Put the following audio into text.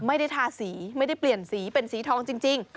ไม่ได้ทาสีไม่ได้เปลี่ยนสีเป็นสีทองจริง